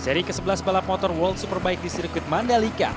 seri ke sebelas balap motor world superbike di sirkuit mandalika